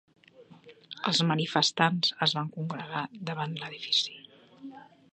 Els manifestants es van congregar davant l'edifici